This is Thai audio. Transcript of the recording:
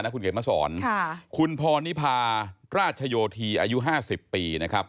นะคุณเก๋มาสอนค่ะคุณพรนิภาราจโยธีอายุห้าสิบปีนะครับ